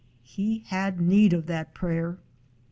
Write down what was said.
He had need of that prayer.